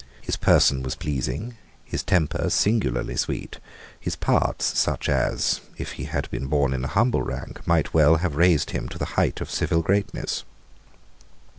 His person was pleasing, his temper singularly sweet, his parts such as, if he had been born in a humble rank, might well have raised him to the height of civil greatness.